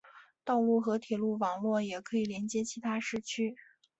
道路和铁路网络也可以连接其他市区。